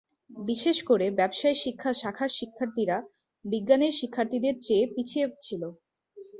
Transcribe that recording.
বিশেষ করে ব্যবসায় শিক্ষা শাখার শিক্ষার্থীরা বিজ্ঞানের শিক্ষার্থীদের চেয়ে পিছিয়ে ছিল।